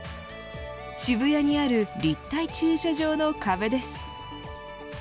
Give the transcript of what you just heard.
渋谷にある立体駐車場の壁です。